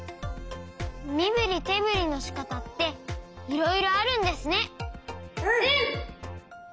みぶりてぶりのしかたっていろいろあるんですね。